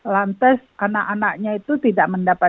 lantas anak anaknya itu tidak mendapatkan